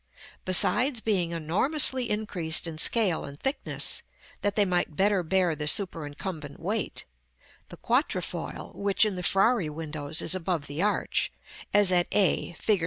Besides being enormously increased in scale and thickness, that they might better bear the superincumbent weight, the quatrefoil, which in the Frari windows is above the arch, as at a, Fig.